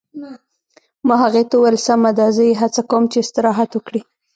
ما هغې ته وویل: سمه ده، زه یې هڅه کوم چې استراحت وکړي.